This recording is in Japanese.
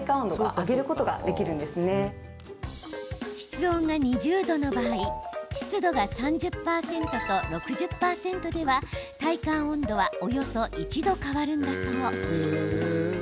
室温が２０度の場合湿度が３０％と６０％では体感温度はおよそ１度変わるんだそう。